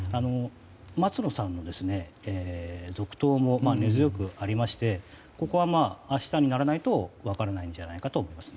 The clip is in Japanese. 松野さんの続投も根強くありましてここは明日にならないと分からないんじゃないかと思います。